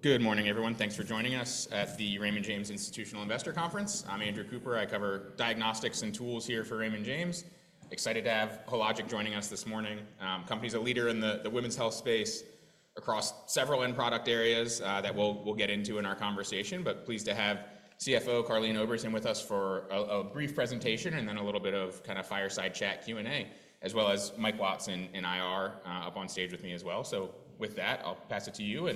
Good morning, everyone. Thanks for joining us at the Raymond James Institutional Investor Conference. I'm Andrew Cooper. I cover Diagnostics and tools here for Raymond James. Excited to have Hologic joining us this morning. The company's a leader in the women's health space across several end product areas that we'll get into in our conversation, but pleased to have CFO Karleen Oberton with us for a brief presentation and then a little bit of kind of fireside chat, Q&A, as well as Mike Watts in IR up on stage with me as well. So with that, I'll pass it to you,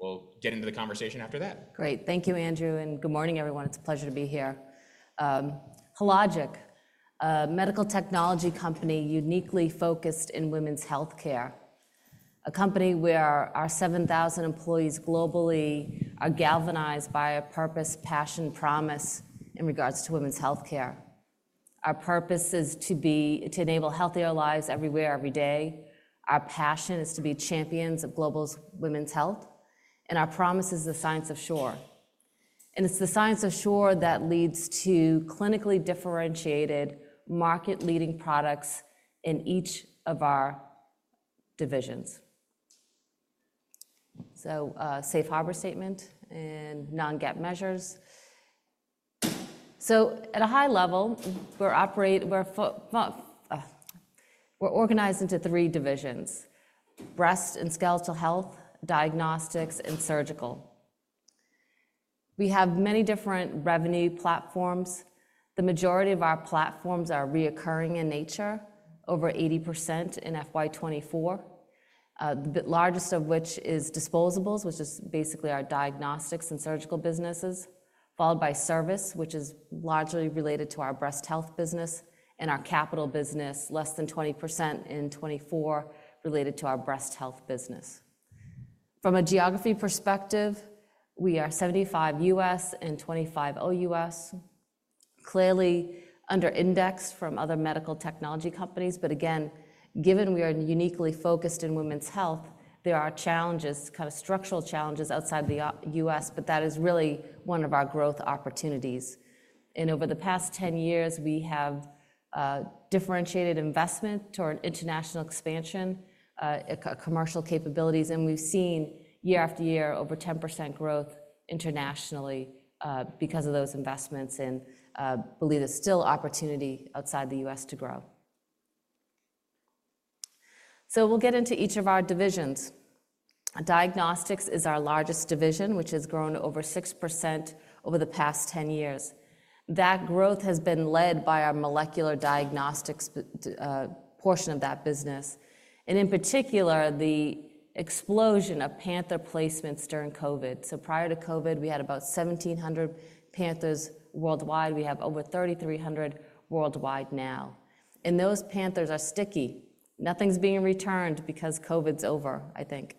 and we'll get into the conversation after that. Great. Thank you, Andrew, and good morning, everyone. It's a pleasure to be here. Hologic, a medical technology company uniquely focused in women's health care, a company where our 7,000 employees globally are galvanized by a purpose, passion, and promise in regards to women's health care. Our purpose is to enable healthier lives everywhere, every day. Our passion is to be champions of global women's health, and our promise is the Science of Sure. And it's the Science of Sure that leads to clinically differentiated, market-leading products in each of our divisions. So safe harbor statement and non-GAAP measures. So at a high level, we're organized into three divisions: Breast and Skeletal Health, Diagnostics, and Surgical. We have many different revenue platforms. The majority of our platforms are recurring in nature, over 80% in FY 2024, the largest of which is disposables, which is basically our Diagnostics and Surgical businesses, followed by service, which is largely related to our breast health business, and our capital business, less than 20% in 2024, related to our breast health business. From a geography perspective, we are 75% US and 25% OUS, clearly under-indexed from other medical technology companies, but again, given we are uniquely focused in women's health, there are challenges, kind of structural challenges outside the US, but that is really one of our growth opportunities, and over the past 10 years, we have differentiated investment toward international expansion, commercial capabilities, and we've seen year after year over 10% growth internationally because of those investments, and I believe there's still opportunity outside the US to grow, so we'll get into each of our divisions. Diagnostics is our largest division, which has grown over 6% over the past 10 years. That growth has been led by our molecular diagnostics portion of that business, and in particular, the explosion of Panther placements during COVID. So prior to COVID, we had about 1,700 Panthers worldwide. We have over 3,300 worldwide now. And those Panthers are sticky. Nothing's being returned because COVID's over, I think.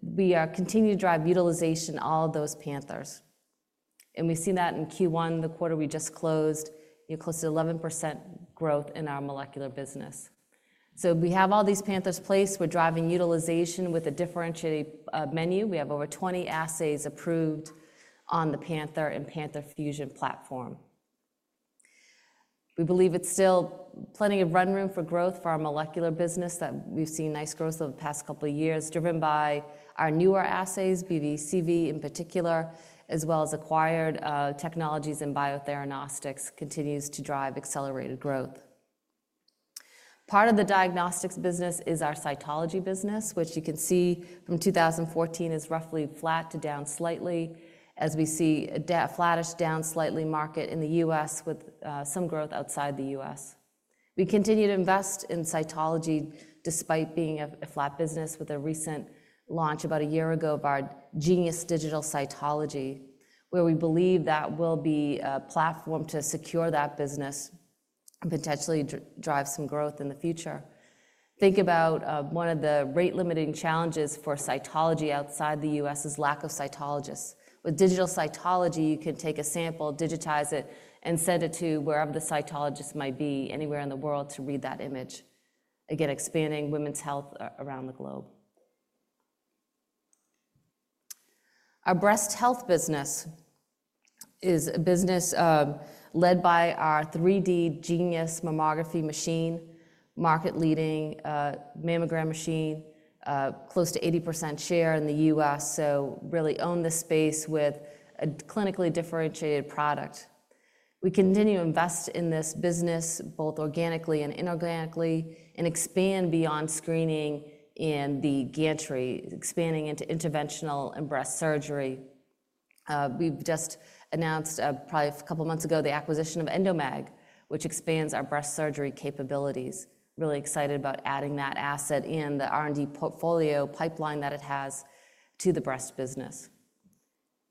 We continue to drive utilization in all of those Panthers. And we've seen that in Q1, the quarter we just closed, close to 11% growth in our molecular business. So we have all these Panthers placed. We're driving utilization with a differentiated menu. We have over 20 assays approved on the Panther and Panther Fusion platform. We believe it's still plenty of run room for growth for our molecular business that we've seen nice growth over the past couple of years, driven by our newer assays, BV/CV in particular, as well as acquired technologies in Biotheranostics, continues to drive accelerated growth. Part of the diagnostics business is our cytology business, which you can see from 2014 is roughly flat to down slightly, as we see a flattish down slightly market in the U.S. with some growth outside the U.S. We continue to invest in cytology despite being a flat business with a recent launch about a year ago of our Genius Digital Cytology, where we believe that will be a platform to secure that business and potentially drive some growth in the future. Think about one of the rate-limiting challenges for cytology outside the U.S. is lack of cytologists. With digital cytology, you can take a sample, digitize it, and send it to wherever the cytologist might be anywhere in the world to read that image. Again, expanding women's health around the globe. Our breast health business is a business led by our 3D Genius Mammography machine, market-leading mammogram machine, close to 80% share in the U.S., so really own this space with a clinically differentiated product. We continue to invest in this business both organically and inorganically and expand beyond screening in the gantry, expanding into interventional and breast surgery. We've just announced probably a couple of months ago the acquisition of Endomag, which expands our breast surgery capabilities. Really excited about adding that asset in the R&D portfolio pipeline that it has to the breast business.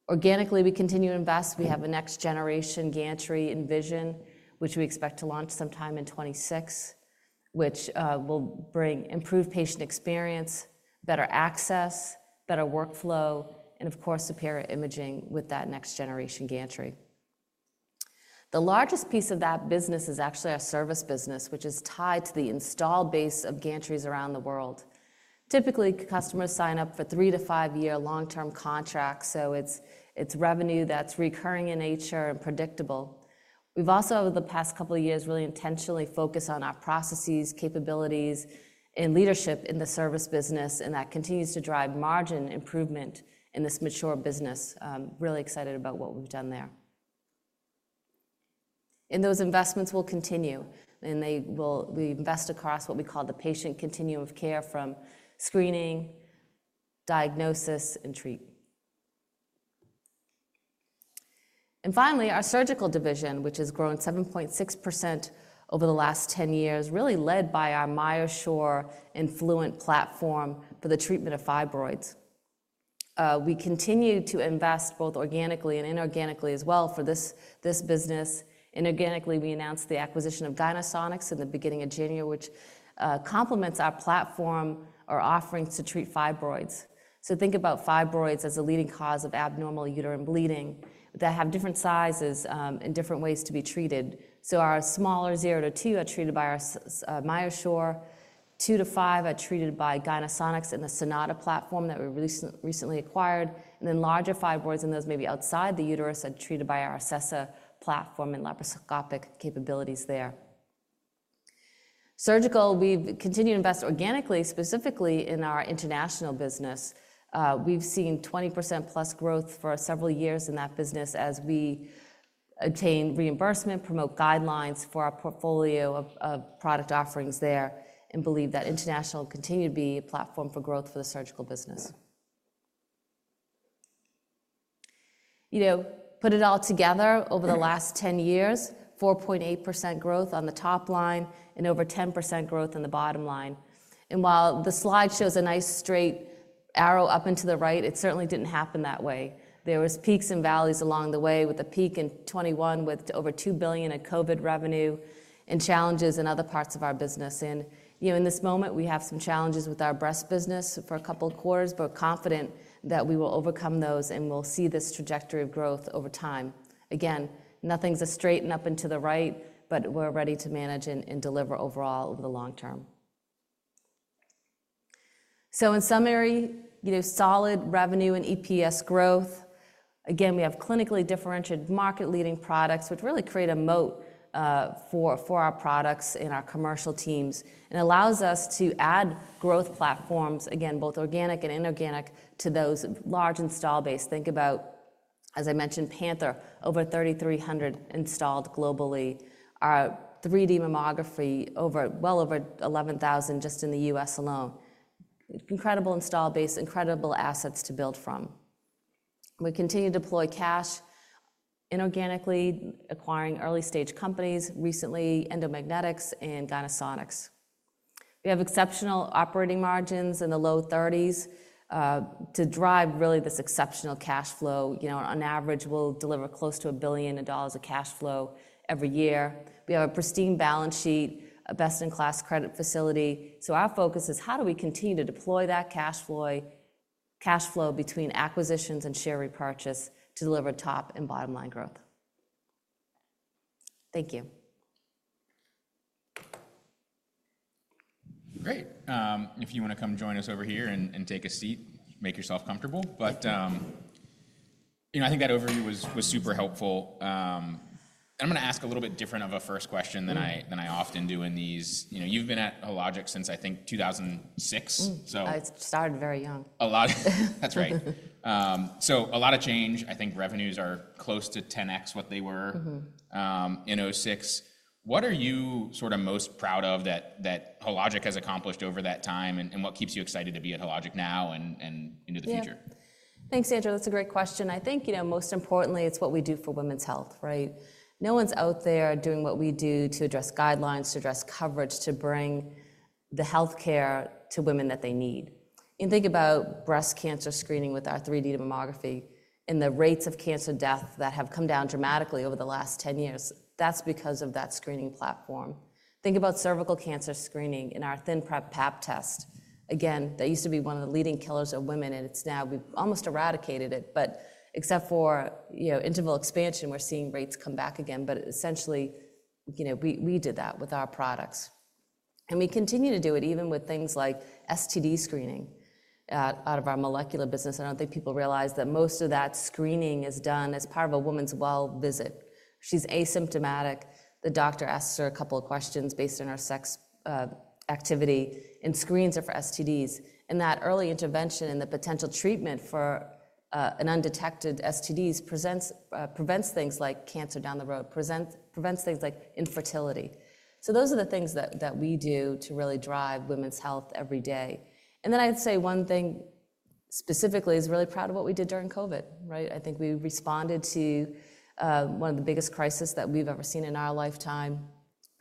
Organically, we continue to invest. We have a next-generation gantry Envision, which we expect to launch sometime in 2026, which will bring improved patient experience, better access, better workflow, and of course, superior imaging with that next-generation gantry. The largest piece of that business is actually our service business, which is tied to the install base of gantries around the world. Typically, customers sign up for three- to five-year long-term contracts, so it's revenue that's recurring in nature and predictable. We've also, over the past couple of years, really intentionally focused on our processes, capabilities, and leadership in the service business, and that continues to drive margin improvement in this mature business. Really excited about what we've done there, and those investments will continue, and we invest across what we call the patient continuum of care from screening, diagnosis, and treat. And finally, our surgical division, which has grown 7.6% over the last 10 years, really led by our MyoSure and Fluent platform for the treatment of fibroids. We continue to invest both organically and inorganically as well for this business. Inorganically, we announced the acquisition of Gynesonics in the beginning of January, which complements our platform or offerings to treat fibroids. So think about fibroids as a leading cause of abnormal uterine bleeding that have different sizes and different ways to be treated. So our smaller 0-2 are treated by our MyoSure. 2-5 are treated by Gynesonics and the Sonata platform that we recently acquired. And then larger fibroids and those maybe outside the uterus are treated by our Acessa platform and laparoscopic capabilities there. Surgical, we've continued to invest organically, specifically in our international business. We've seen 20% plus growth for several years in that business as we obtain reimbursement, promote guidelines for our portfolio of product offerings there, and believe that international will continue to be a platform for growth for the surgical business. Put it all together, over the last 10 years, 4.8% growth on the top line and over 10% growth on the bottom line. And while the slide shows a nice straight arrow up and to the right, it certainly didn't happen that way. There were peaks and valleys along the way, with a peak in 2021 with over $2 billion in COVID revenue and challenges in other parts of our business. And in this moment, we have some challenges with our breast business for a couple of quarters, but we're confident that we will overcome those and we'll see this trajectory of growth over time. Again, nothing's a straight and up and to the right, but we're ready to manage and deliver overall over the long term. In summary, solid revenue and EPS growth. Again, we have clinically differentiated, market-leading products, which really create a moat for our products and our commercial teams. It allows us to add growth platforms, again, both organic and inorganic, to those large install base. Think about, as I mentioned, Panther, over 3,300 installed globally. Our 3D mammography, well over 11,000 just in the U.S. alone. Incredible install base, incredible assets to build from. We continue to deploy cash inorganically, acquiring early-stage companies, recently Endomagnetics and Gynesonics. We have exceptional operating margins in the low 30s to drive really this exceptional cash flow. On average, we'll deliver close to $1 billion of cash flow every year. We have a pristine balance sheet, a best-in-class credit facility. So our focus is how do we continue to deploy that cash flow between acquisitions and share repurchase to deliver top and bottom line growth. Thank you. Great. If you want to come join us over here and take a seat, make yourself comfortable. But I think that overview was super helpful. And I'm going to ask a little bit different of a first question than I often do in these. You've been at Hologic since, I think, 2006, so. I started very young. That's right. So a lot of change. I think revenues are close to 10X what they were in 2006. What are you sort of most proud of that Hologic has accomplished over that time, and what keeps you excited to be at Hologic now and into the future? Thanks, Andrew. That's a great question. I think most importantly, it's what we do for women's health, right? No one's out there doing what we do to address guidelines, to address coverage, to bring the health care to women that they need, and think about breast cancer screening with our 3D mammography and the rates of cancer death that have come down dramatically over the last 10 years. That's because of that screening platform. Think about cervical cancer screening and our ThinPrep Pap test. Again, that used to be one of the leading killers of women, and it's now we've almost eradicated it, but except for interval expansion, we're seeing rates come back again, but essentially, we did that with our products, and we continue to do it even with things like STD screening out of our molecular business. I don't think people realize that most of that screening is done as part of a woman's well visit. She's asymptomatic. The doctor asks her a couple of questions based on her sex activity and screens her for STDs. And that early intervention and the potential treatment for an undetected STD prevents things like cancer down the road, prevents things like infertility. So those are the things that we do to really drive women's health every day. And then I'd say one thing specifically is really proud of what we did during COVID, right? I think we responded to one of the biggest crises that we've ever seen in our lifetime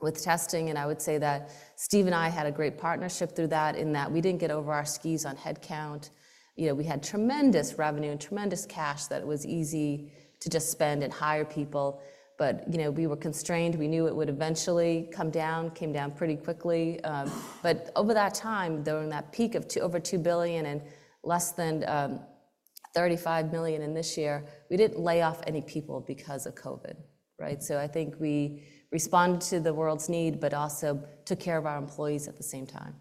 with testing. And I would say that Steve and I had a great partnership through that in that we didn't get over our skis on headcount. We had tremendous revenue and tremendous cash that it was easy to just spend and hire people. But we were constrained. We knew it would eventually come down, came down pretty quickly. But over that time, during that peak of over $2 billion and less than $35 million in this year, we didn't lay off any people because of COVID, right? So I think we responded to the world's need, but also took care of our employees at the same time.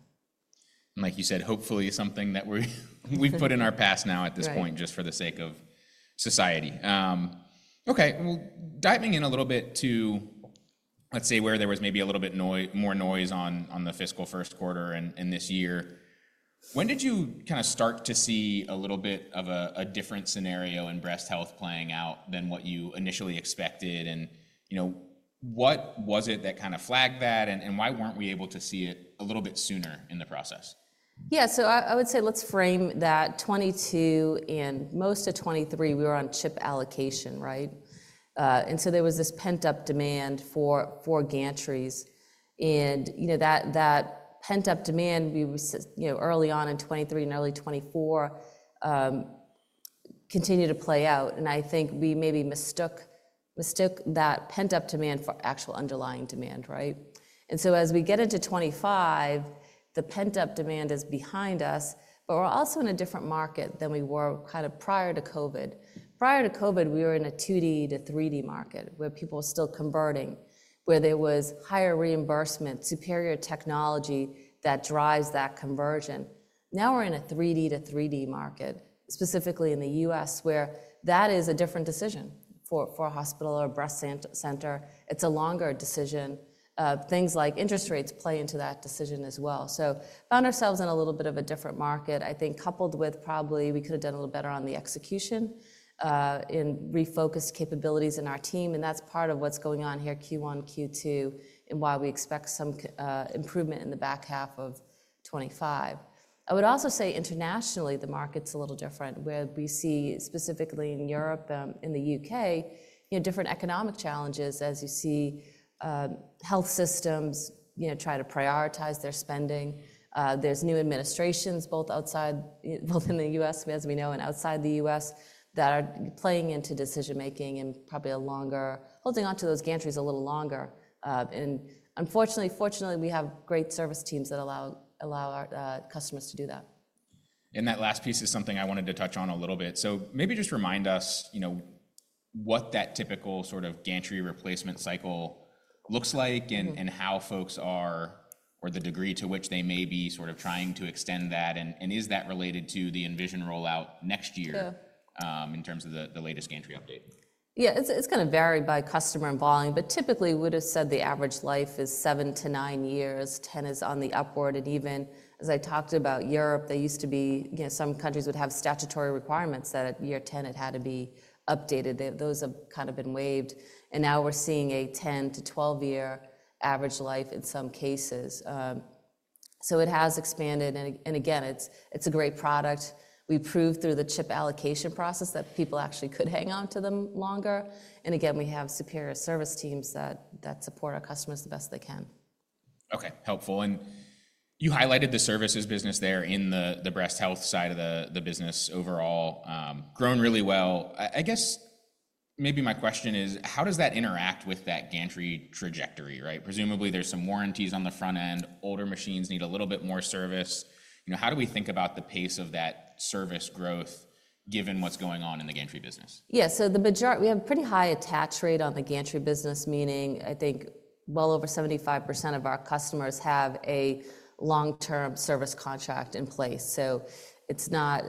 Like you said, hopefully something that we've put in our past now at this point just for the sake of society. Okay. Well, diving in a little bit to, let's say, where there was maybe a little bit more noise on the fiscal first quarter in this year. When did you kind of start to see a little bit of a different scenario in breast health playing out than what you initially expected? And what was it that kind of flagged that, and why weren't we able to see it a little bit sooner in the process? Yeah. So I would say let's frame that 2022 and most of 2023, we were on chip allocation, right? And so there was this pent-up demand for gantries. And that pent-up demand early on in 2023 and early 2024 continued to play out. And I think we maybe mistook that pent-up demand for actual underlying demand, right? And so as we get into 2025, the pent-up demand is behind us, but we're also in a different market than we were kind of prior to COVID. Prior to COVID, we were in a 2D to 3D market where people were still converting, where there was higher reimbursement, superior technology that drives that conversion. Now we're in a 3D to 3D market, specifically in the U.S., where that is a different decision for a hospital or a breast center. It's a longer decision. Things like interest rates play into that decision as well. So found ourselves in a little bit of a different market, I think, coupled with probably we could have done a little better on the execution and refocused capabilities in our team. And that's part of what's going on here, Q1, Q2, and why we expect some improvement in the back half of 2025. I would also say internationally, the market's a little different, where we see specifically in Europe and in the U.K., different economic challenges, as you see health systems try to prioritize their spending. There's new administrations both in the U.S., as we know, and outside the U.S. that are playing into decision-making and probably holding on to those gantries a little longer. And unfortunately, fortunately, we have great service teams that allow our customers to do that. And that last piece is something I wanted to touch on a little bit. So maybe just remind us what that typical sort of gantry replacement cycle looks like and how folks are or the degree to which they may be sort of trying to extend that. And is that related to the EnVision rollout next year in terms of the latest gantry update? Yeah. It's going to vary by customer and volume. But typically, we would have said the average life is seven to nine years. 10 is on the upward. And even as I talked about Europe, there used to be some countries would have statutory requirements that at year 10, it had to be updated. Those have kind of been waived. And now we're seeing a 10- to 12-year average life in some cases. So it has expanded. And again, it's a great product. We proved through the chip allocation process that people actually could hang on to them longer. And again, we have superior service teams that support our customers the best they can. Okay. Helpful. And you highlighted the services business there in the breast health side of the business overall, grown really well. I guess maybe my question is, how does that interact with that gantry trajectory, right? Presumably, there's some warranties on the front end. Older machines need a little bit more service. How do we think about the pace of that service growth given what's going on in the gantry business? Yeah. So we have a pretty high attach rate on the gantry business, meaning I think well over 75% of our customers have a long-term service contract in place. So it's not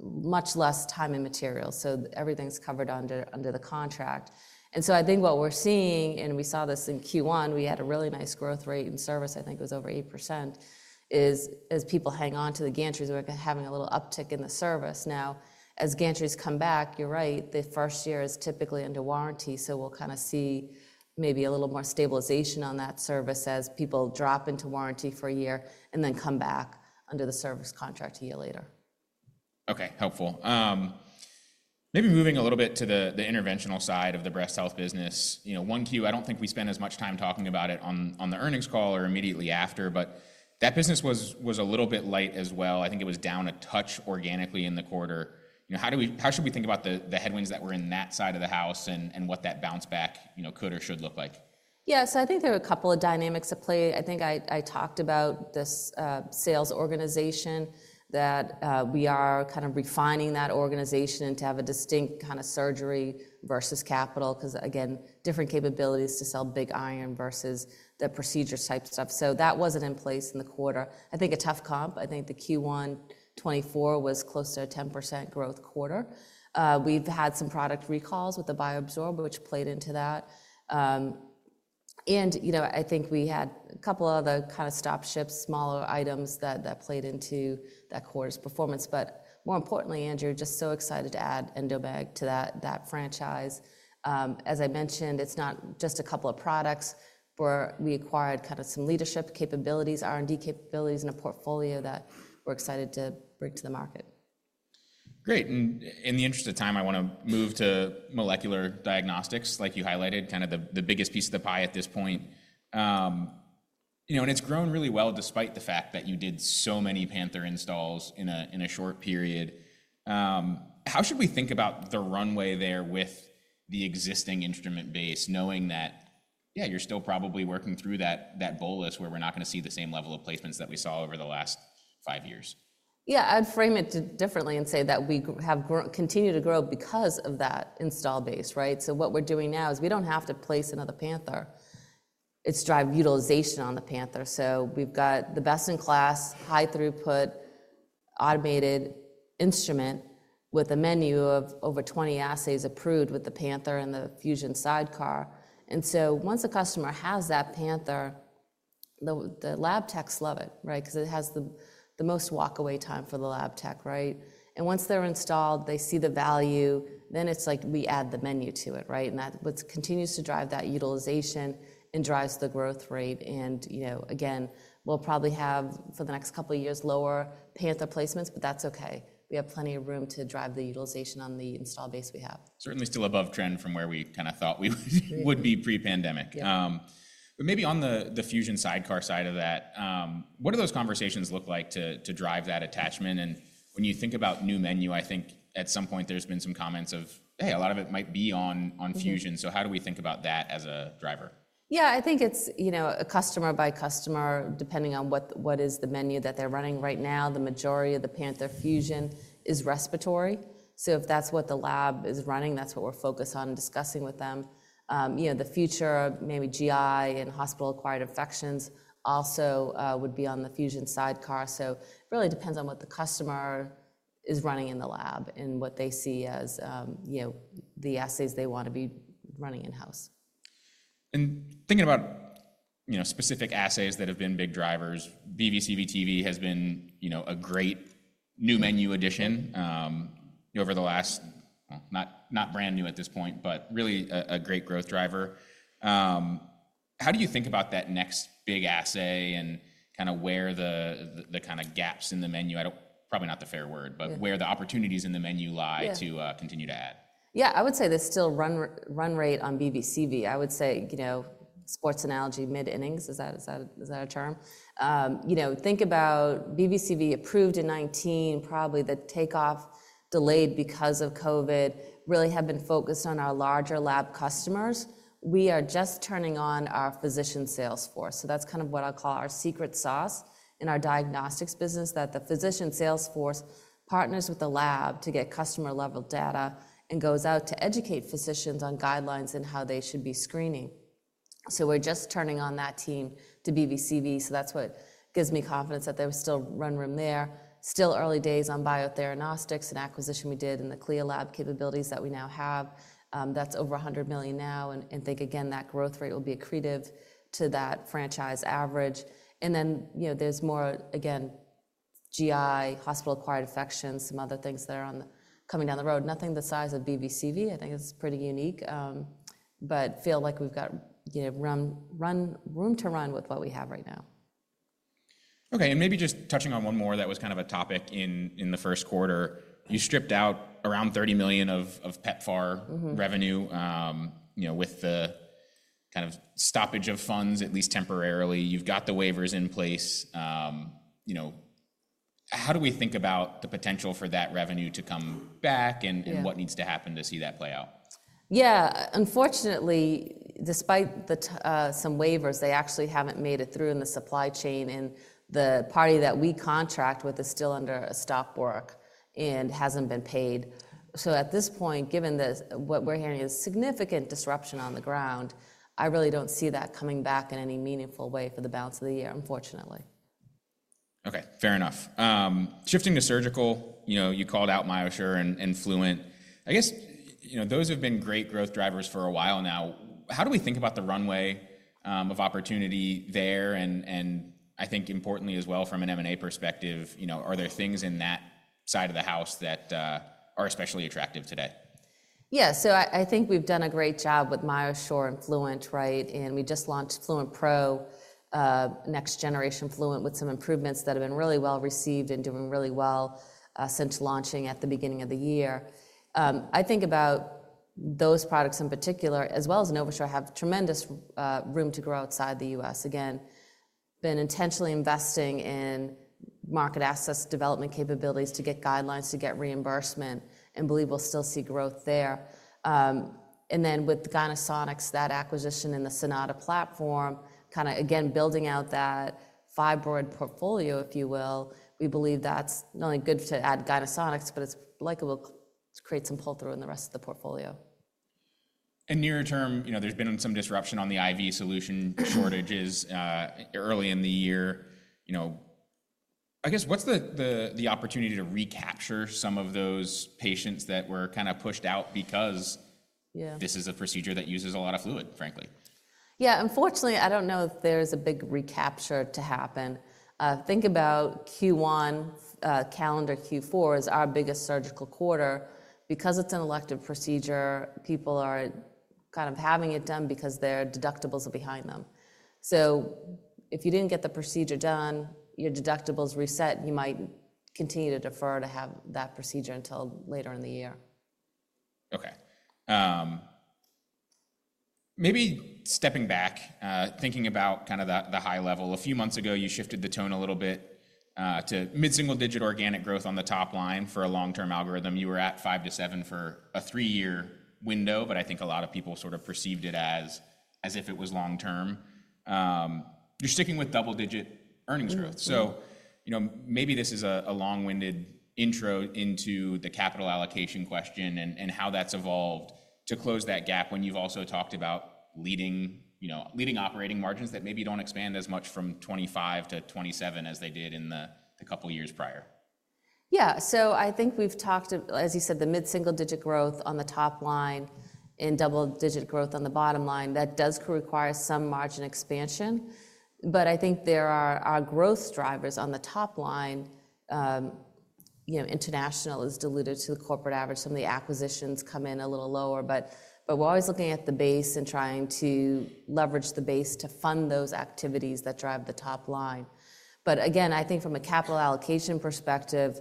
much less time and material. So everything's covered under the contract. And so I think what we're seeing, and we saw this in Q1, we had a really nice growth rate in service. I think it was over 8%. As people hang on to the gantries, we're having a little uptick in the service. Now, as gantries come back, you're right, the first year is typically under warranty. So we'll kind of see maybe a little more stabilization on that service as people drop into warranty for a year and then come back under the service contract a year later. Okay. Helpful. Maybe moving a little bit to the interventional side of the breast health business. 1Q, I don't think we spend as much time talking about it on the earnings call or immediately after. But that business was a little bit light as well. I think it was down a touch organically in the quarter. How should we think about the headwinds that were in that side of the house and what that bounce back could or should look like? Yeah. So I think there were a couple of dynamics at play. I think I talked about this sales organization that we are kind of refining, that organization to have a distinct kind of surgery versus capital because, again, different capabilities to sell big iron versus the procedures type stuff. So that wasn't in place in the quarter. I think a tough comp. I think the Q1 2024 was close to a 10% growth quarter. We've had some product recalls with the BioZorb, which played into that. And I think we had a couple of other kind of stop ships, smaller items that played into that quarter's performance. But more importantly, Andrew, just so excited to add Endomag to that franchise. As I mentioned, it's not just a couple of products where we acquired kind of some leadership capabilities, R&D capabilities in a portfolio that we're excited to bring to the market. Great. And in the interest of time, I want to move to molecular diagnostics, like you highlighted, kind of the biggest piece of the pie at this point. And it's grown really well despite the fact that you did so many Panther installs in a short period. How should we think about the runway there with the existing instrument base, knowing that, yeah, you're still probably working through that bolus where we're not going to see the same level of placements that we saw over the last five years? Yeah. I'd frame it differently and say that we have continued to grow because of that install base, right? So what we're doing now is we don't have to place another Panther. It's drive utilization on the Panther. So we've got the best-in-class, high-throughput, automated instrument with a menu of over 20 assays approved with the Panther and the Fusion sidecar. And so once a customer has that Panther, the lab techs love it, right? Because it has the most walk-away time for the lab tech, right? And once they're installed, they see the value. Then it's like we add the menu to it, right? And that continues to drive that utilization and drives the growth rate. And again, we'll probably have for the next couple of years lower Panther placements, but that's okay. We have plenty of room to drive the utilization on the install base we have. Certainly still above trend from where we kind of thought we would be pre-pandemic. But maybe on the Fusion sidecar side of that, what do those conversations look like to drive that attachment? And when you think about new menu, I think at some point there's been some comments of, hey, a lot of it might be on Fusion. So how do we think about that as a driver? Yeah. I think it's a customer by customer, depending on what is the menu that they're running right now. The majority of the Panther Fusion is respiratory. So if that's what the lab is running, that's what we're focused on discussing with them. The future of maybe GI and hospital-acquired infections also would be on the Fusion sidecar. So it really depends on what the customer is running in the lab and what they see as the assays they want to be running in-house. Thinking about specific assays that have been big drivers, BV/CV/TV has been a great new menu addition over the last, well, not brand new at this point, but really a great growth driver. How do you think about that next big assay and kind of where the kind of gaps in the menu, probably not the fair word, but where the opportunities in the menu lie to continue to add? Yeah. I would say there's still run rate on BV/CV. I would say, sports analogy, mid-innings, is that a term? Think about BV/CV approved in 2019, probably the takeoff delayed because of COVID, really have been focused on our larger lab customers. We are just turning on our physician sales force. So that's kind of what I'll call our secret sauce in our diagnostics business, that the physician sales force partners with the lab to get customer-level data and goes out to educate physicians on guidelines and how they should be screening. So we're just turning on that team to BV/CV. So that's what gives me confidence that there was still run room there. Still early days on Biotheranostics and acquisition we did in the CLIA lab capabilities that we now have. That's over $100 million now. I think, again, that growth rate will be accretive to that franchise average. Then there's more, again, GI, hospital-acquired infections, some other things that are coming down the road. Nothing the size of BV/CV. I think it's pretty unique, but feel like we've got room to run with what we have right now. Okay. And maybe just touching on one more that was kind of a topic in the first quarter. You stripped out around $30 million of PEPFAR revenue with the kind of stoppage of funds, at least temporarily. You've got the waivers in place. How do we think about the potential for that revenue to come back and what needs to happen to see that play out? Yeah. Unfortunately, despite some waivers, they actually haven't made it through in the supply chain. And the party that we contract with is still under a stop work and hasn't been paid. So at this point, given what we're hearing is significant disruption on the ground, I really don't see that coming back in any meaningful way for the balance of the year, unfortunately. Okay. Fair enough. Shifting to surgical, you called out MyoSure and Fluent. I guess those have been great growth drivers for a while now. How do we think about the runway of opportunity there? And I think importantly as well from an M&A perspective, are there things in that side of the house that are especially attractive today? Yeah. So I think we've done a great job with MyoSure and Fluent, right? And we just launched Fluent Pro, next-generation Fluent with some improvements that have been really well received and doing really well since launching at the beginning of the year. I think about those products in particular, as well as NovaSure, have tremendous room to grow outside the U.S. Again, been intentionally investing in market access development capabilities to get guidelines, to get reimbursement, and believe we'll still see growth there. And then with the Gynesonics, that acquisition in the Sonata platform, kind of again, building out that fibroid portfolio, if you will, we believe that's not only good to add Gynesonics, but it's likely will create some pull-through in the rest of the portfolio. Near term, there's been some disruption on the IV solution shortages early in the year. I guess what's the opportunity to recapture some of those patients that were kind of pushed out because this is a procedure that uses a lot of fluid, frankly? Yeah. Unfortunately, I don't know if there's a big recapture to happen. Think about Q1, calendar Q4 is our biggest surgical quarter. Because it's an elective procedure, people are kind of having it done because their deductibles are behind them. So if you didn't get the procedure done, your deductibles reset, you might continue to defer to have that procedure until later in the year. Okay. Maybe stepping back, thinking about kind of the high level. A few months ago, you shifted the tone a little bit to mid-single-digit organic growth on the top line for a long-term algorithm. You were at 5%-7% for a three-year window, but I think a lot of people sort of perceived it as if it was long-term. You're sticking with double-digit earnings growth. So maybe this is a long-winded intro into the capital allocation question and how that's evolved to close that gap when you've also talked about leading operating margins that maybe don't expand as much from 25%-27% as they did in the couple of years prior. Yeah. So I think we've talked, as you said, the mid-single-digit growth on the top line and double-digit growth on the bottom line. That does require some margin expansion. But I think there are our growth drivers on the top line. International is diluted to the corporate average. Some of the acquisitions come in a little lower. But we're always looking at the base and trying to leverage the base to fund those activities that drive the top line. But again, I think from a capital allocation perspective,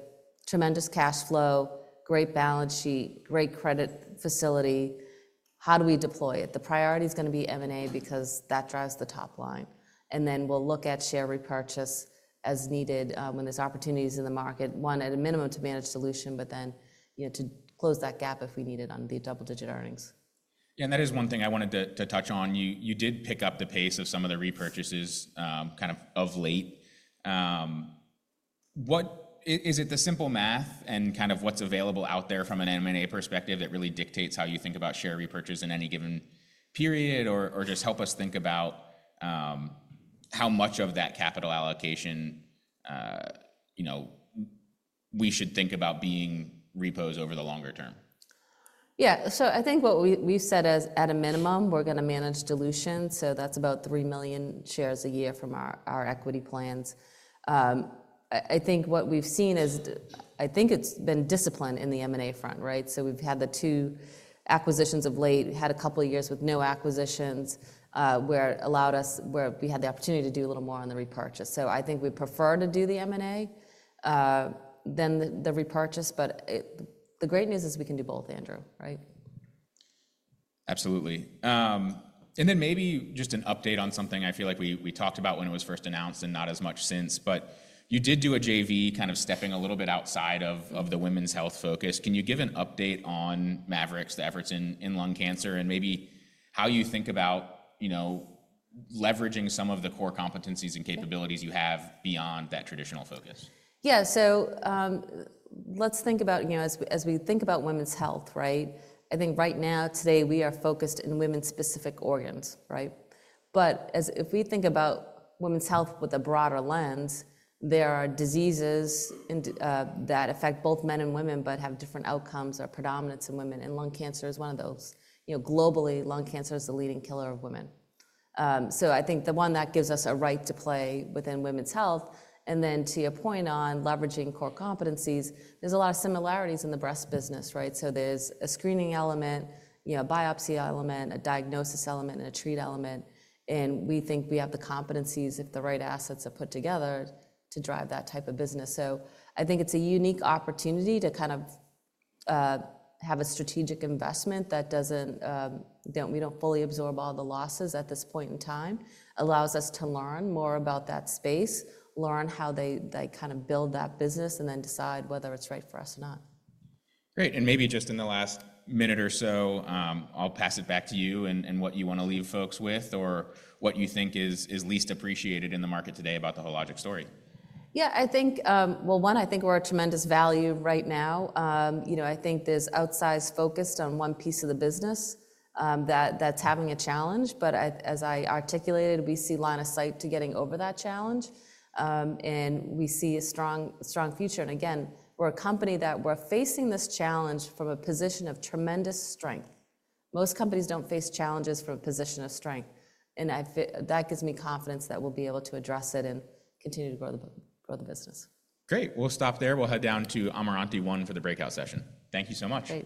tremendous cash flow, great balance sheet, great credit facility. How do we deploy it? The priority is going to be M&A because that drives the top line. And then we'll look at share repurchase as needed when there's opportunities in the market, one at a minimum to manage dilution, but then to close that gap if we need it on the double-digit earnings. That is one thing I wanted to touch on. You did pick up the pace of some of the repurchases kind of late. Is it the simple math and kind of what's available out there from an M&A perspective that really dictates how you think about share repurchase in any given period, or just help us think about how much of that capital allocation we should think about being repos over the longer term? Yeah. So I think what we've said is at a minimum, we're going to manage dilution. So that's about three million shares a year from our equity plans. I think what we've seen is I think it's been discipline in the M&A front, right? So we've had the two acquisitions of late, had a couple of years with no acquisitions where it allowed us, where we had the opportunity to do a little more on the repurchase. So I think we prefer to do the M&A than the repurchase. But the great news is we can do both, Andrew, right? Absolutely, and then maybe just an update on something I feel like we talked about when it was first announced and not as much since, but you did do a JV kind of stepping a little bit outside of the women's health focus. Can you give an update on Maverix, the efforts in lung cancer, and maybe how you think about leveraging some of the core competencies and capabilities you have beyond that traditional focus? Yeah. So let's think about, as we think about women's health, right? I think right now, today, we are focused in women's specific organs, right? But if we think about women's health with a broader lens, there are diseases that affect both men and women, but have different outcomes or predominance in women. And lung cancer is one of those. Globally, lung cancer is the leading killer of women. So I think the one that gives us a right to play within women's health. And then to your point on leveraging core competencies, there's a lot of similarities in the breast business, right? So there's a screening element, a biopsy element, a diagnosis element, and a treat element. And we think we have the competencies if the right assets are put together to drive that type of business. So I think it's a unique opportunity to kind of have a strategic investment that we don't fully absorb all the losses at this point in time. It allows us to learn more about that space, learn how they kind of build that business, and then decide whether it's right for us or not. Great, and maybe just in the last minute or so, I'll pass it back to you and what you want to leave folks with or what you think is least appreciated in the market today about the Hologic story. Yeah. I think, well, one, I think we're a tremendous value right now. I think there's outsized focus on one piece of the business that's having a challenge, but as I articulated, we see line of sight to getting over that challenge, and we see a strong future, and again, we're a company that we're facing this challenge from a position of tremendous strength. Most companies don't face challenges from a position of strength, and that gives me confidence that we'll be able to address it and continue to grow the business. Great. We'll stop there. We'll head down to Amarante One for the breakout session. Thank you so much.